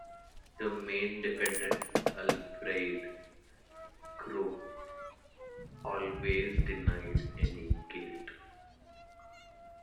The main defendant Alfried Krupp always denied any guilt.